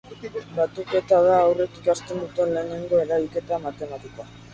Batuketa da haurrek ikasten duten lehenengo eragiketa matematikoa.